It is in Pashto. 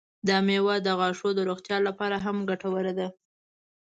دا میوه د غاښونو د روغتیا لپاره هم ګټوره ده.